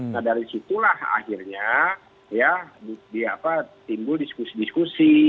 nah dari situlah akhirnya ya timbul diskusi diskusi